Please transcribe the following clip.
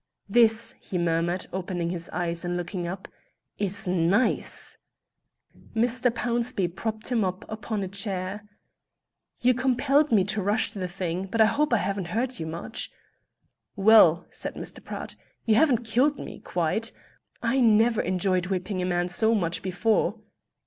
"This," he murmured, opening his eyes and looking up, "is nice." Mr. Pownceby propped him up upon a chair. "You compelled me to rush the thing; but I hope I haven't hurt you much." "Well," said Mr. Pratt, "you haven't killed me quite. I never enjoyed whipping a man so much before.